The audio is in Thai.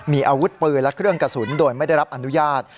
มีอาวุธปืนและเครื่องกระสุนโดยไม่ได้รับอนุญาต